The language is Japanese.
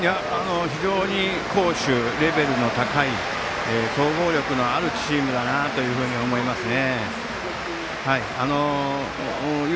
非常に攻守のレベルが高く総合力の高いチームだなと思いますね。